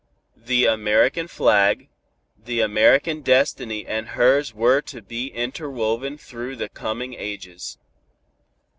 The American flag, the American destiny and hers were to be interwoven through the coming ages.